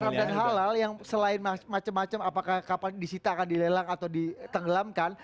haram dan halal yang selain macam macam apakah kapan disitakan dilelak atau ditenggelamkan